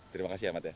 terima kasih ya mat ya